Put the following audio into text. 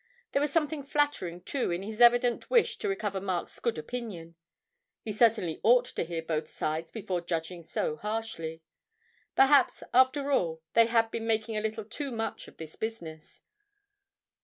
There was something flattering, too, in his evident wish to recover Mark's good opinion; he certainly ought to hear both sides before judging so harshly. Perhaps, after all, they had been making a little too much of this business.